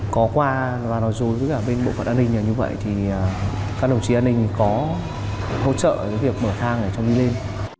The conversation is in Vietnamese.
có qua và nói dối với cả bộ phận an ninh như vậy là các đồng chí an ninh có hỗ trợ về việc mở thang để cho mình lên